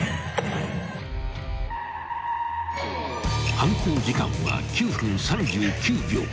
［犯行時間は９分３９秒］